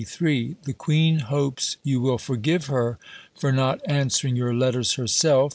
The Queen hopes you will forgive her for not answering your letters herself.